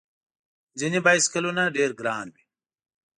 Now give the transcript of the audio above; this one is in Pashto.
ځینې بایسکلونه ډېر ګران وي.